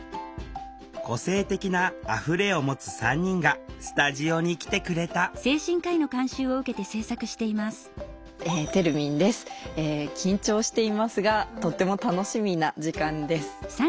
個性的な「あふれ」を持つ３人がスタジオに来てくれたえ緊張していますがとっても楽しみな時間です。